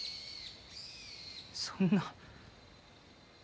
そんな。